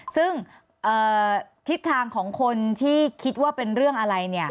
ซึ่งทิศทางของคนที่คิดว่าเป็นเรื่องอะไร